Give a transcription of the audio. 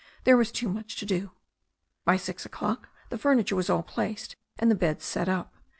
There was too much to do. By six o'clock the furniture was all placed and the beds set up.